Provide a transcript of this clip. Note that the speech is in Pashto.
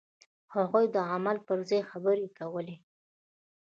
هغوی د عمل پر ځای خبرې کولې.